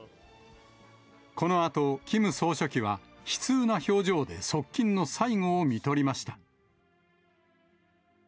このあとキム総書記は、悲痛な表情で側近の最期をみとりました。